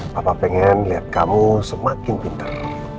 bapak pengen lihat kamu semakin pintar